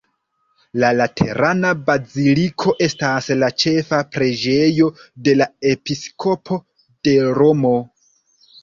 La Laterana baziliko estas la ĉefa preĝejo de la episkopo de Romo.